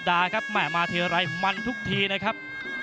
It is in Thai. นักมวยจอมคำหวังเว่เลยนะครับ